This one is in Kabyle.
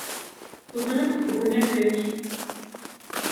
Teẓram-t deg unafag.